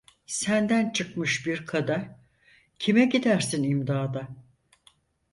Senden çıkmış bir kada, kime gidersin imdada.